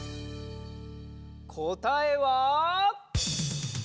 こたえは。